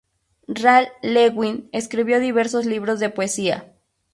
Ralph Lewin escribió diversos libros de poesía.